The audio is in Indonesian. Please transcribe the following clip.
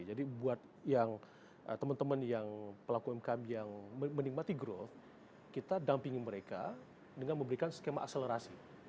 jadi buat teman teman pelaku umkm yang menikmati growth kita dampingi mereka dengan memberikan skema akselerasi